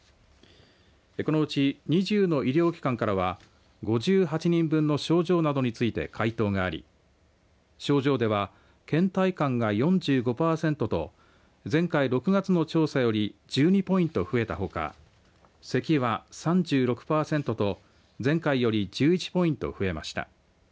このうち２０の医療機関からは５８人分の症状などについて回答があり症状ではけん怠感が４５パーセントと前回６月の調査より１２ポイント増えたほかせきは、３６パーセントと前回より１１ポイント増えました。